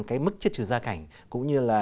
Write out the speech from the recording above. cái mức trữ trừ gia cảnh cũng như là